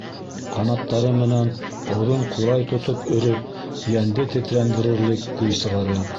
Ҡанаттары менән оҙон ҡурай тотоп өрөп, йәнде тетрәндерерлек көй сығара.